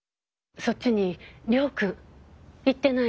そっちに亮君行ってない？